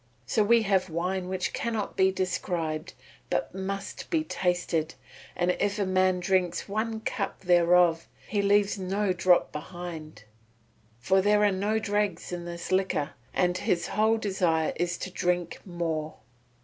So we have wine which cannot be described but must be tasted, and if a man drinks one cup thereof he leaves no drop behind, for there are no dregs in this liquor, and his whole desire is to drink more.